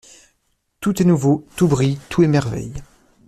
Tout est nouveau, tout brille, tout émerveille.